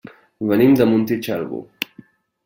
Venim de Montitxelvo.